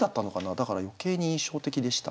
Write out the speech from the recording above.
だから余計に印象的でしたね。